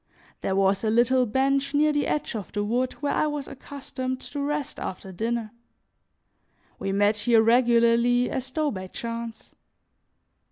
There was a little bench near the edge of the wood where I was accustomed to rest after dinner; we met here regularly as though by chance.